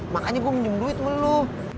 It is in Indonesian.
makanya gue minum duit dulu